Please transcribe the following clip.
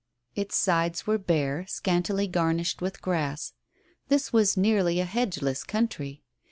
Its sides were bare, scantily garnished with grass. This was nearly a hedgeless country.